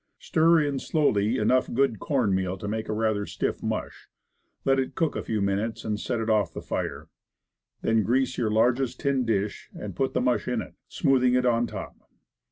Stir in slowly enough good corn Bread. 93 mea\ to make a rather stiff mush, let it cook a few minutes, and set it off the fire; then grease your largest tin dish and put the mush in it, smoothing it on top.